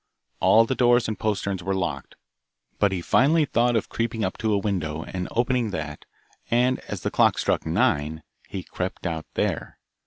All the doors and posterns were locked, but he finally though of creeping up to a window, and opening that, and as the clock struck nine, he crept out there.